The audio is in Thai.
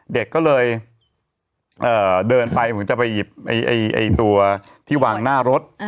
เด็กก็เลยเดินไปเหมือนจะไปหยิบตัวที่วางหน้ารถ